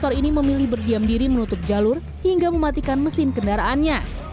motor ini memilih berdiam diri menutup jalur hingga mematikan mesin kendaraannya